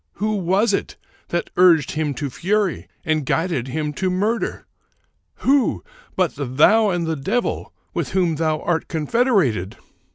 Who was it that urged him to fury and guided him to murder ? Who, but thou and the devil, with whom thou art confederated?"